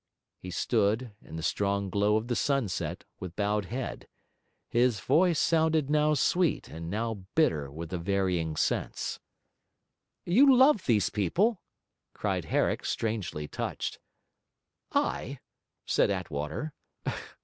He stood, in the strong glow of the sunset, with bowed head; his voice sounded now sweet and now bitter with the varying sense. 'You loved these people?' cried Herrick, strangely touched. 'I?' said Attwater.